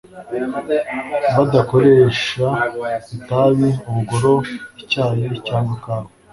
badakoresha itabi, ubugoro, icyayi, cyangwa ikawa,